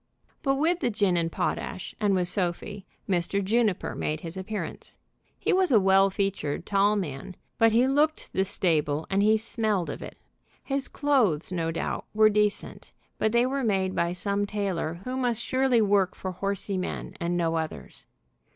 But with the gin and potash, and with Sophie, Mr. Juniper made his appearance. He was a well featured, tall man, but he looked the stable and he smelled of it. His clothes, no doubt, were decent, but they were made by some tailor who must surely work for horsey men and no others.